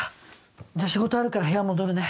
じゃ仕事あるから部屋戻るね。